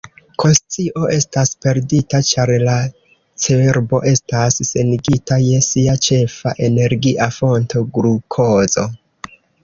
Konscio estas perdita ĉar la cerbo estas senigita je sia ĉefa energia fonto, glukozo.